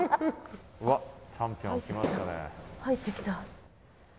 入ってきた。